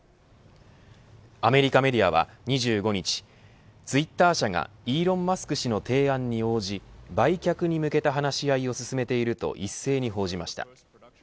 アメリカメディアは２５日ツイッター社がイーロン・マスク氏の提案に応じ売却に向けた話し合いを進めていると一斉に報じました。